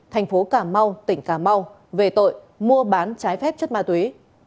thành phố cà mau tỉnh cà mau về tội mua bán trái phép chất ma túy